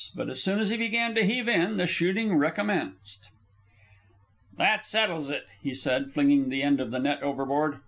But as soon as he began to heave in, the shooting recommenced. "That settles it," he said, flinging the end of the net overboard.